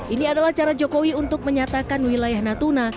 ini adalah cara jokowi untuk menyatakan wilayah natuna